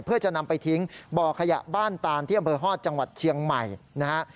เพื่อจะนำไปทิ้งบ่อขยะบ้านตานที่อำเภอฮอตจังหวัดเชียงใหม่นะฮะ